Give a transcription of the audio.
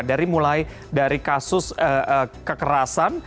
dari mulai dari kasus kekerasan